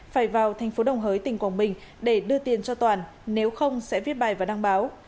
phải vào thành phố đồng hới tỉnh quảng bình để đưa tiền cho toàn nếu không sẽ viết bài và đăng báo